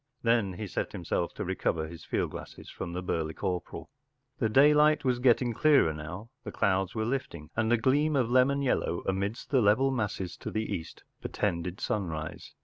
Then he set himself to recover his fidd glasses from the burly corporal. ... The daylight was getting clearer now. The clouds were lifting, and a gleam of lemon yellow amidst the level masses to the east portended sunrise.